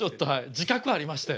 自覚ありましてん。